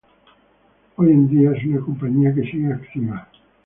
Hoy en día es una compañía que sigue activa.